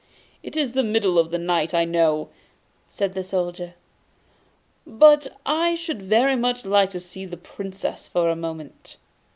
'It is the middle of the night, I know,' said the Soldier; 'but I should very much like to see the Princess for a moment.